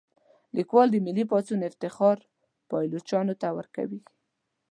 لیکوال د ملي پاڅون افتخار پایلوچانو ته ورکوي.